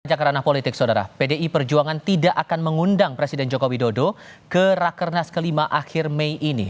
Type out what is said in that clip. pada jangka ranah politik pdi perjuangan tidak akan mengundang presiden jokowi dodo ke rakernas kelima akhir mei ini